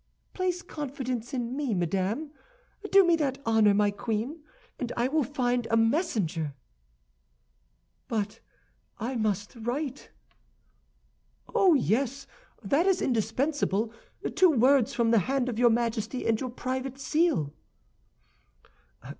"Place confidence in me, madame; do me that honor, my queen, and I will find a messenger." "But I must write." "Oh, yes; that is indispensable. Two words from the hand of your Majesty and your private seal."